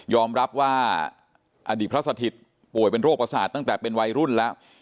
รับว่าอดีตพระสถิตย์ป่วยเป็นโรคประสาทตั้งแต่เป็นวัยรุ่นแล้ว